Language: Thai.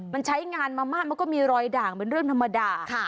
มันใช้งานมามากมันก็มีรอยด่างเป็นเรื่องธรรมดา